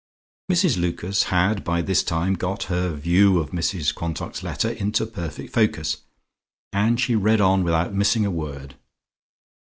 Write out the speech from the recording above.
Mrs Lucas had by this time got her view of Mrs Quantock's letter into perfect focus, and she read on without missing a word.